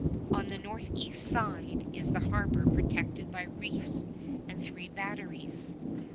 On the northeast side is the harbor protected by reefs and three batteries.